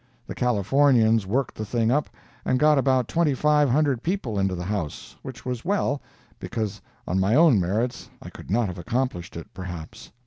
The Californians worked the thing up, and got about twenty five hundred people into the house—which was well, because on my own merits I could not have accomplished it, perhaps.